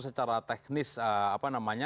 secara teknis apa namanya